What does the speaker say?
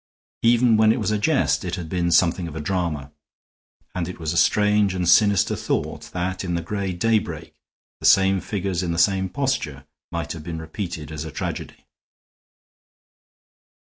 Even when it was a jest it had been something of a drama; and it was a strange and sinister thought that in the gray daybreak the same figures in the same posture might have been repeated as a tragedy.